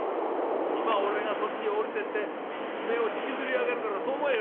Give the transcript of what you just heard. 今俺がそっちへ下りてってお前を引きずり上げるからそう思えよ」。